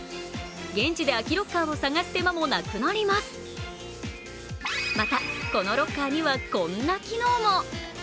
現地で空きロッカーを探す手間もなくなりますまた、このロッカーにはこんな機能も。